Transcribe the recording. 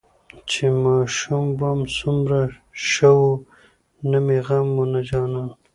چې ماشوم وم سومره شه وو نه مې غم وو نه جانان.